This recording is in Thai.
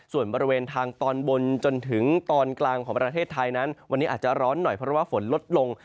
ส่วนบริเวณทางตอนบนจนถึงตอนกลางของประเทศไทยนั้นวันนี้อาจจะร้อนหน่อยเพราะว่าฝนลดลง